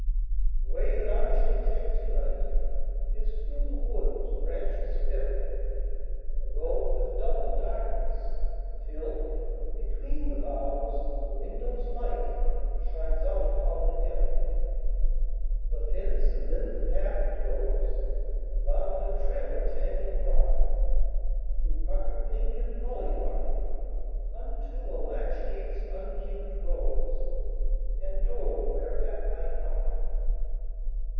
The way that I shall take to night Is through the wood whose branches fill The road with double darkness, till, Between the boughs, a window's light Shines out upon the hill. The fence; and then the path that goes Around a trailer tangled rock, Through puckered pink and hollyhock, Unto a latch gate's unkempt rose, And door whereat I knock.